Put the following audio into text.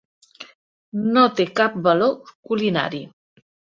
No té cap valor culinari.